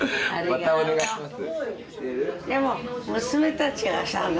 またお願いします。